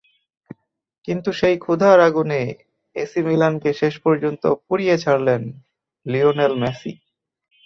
কিন্তু সেই ক্ষুধার আগুনে এসি মিলানকে শেষ পর্যন্ত পুড়িয়ে ছাড়লেন লিওনেল মেসি।